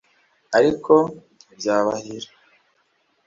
ariko ntibyabahira